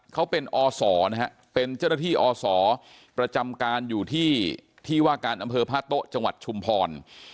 เขาเป็นอศนะฮะเป็นเจ้าหน้าที่อศประจำการอยู่ที่ที่ว่าการอำเภอพระโต๊ะจังหวัดชุมพร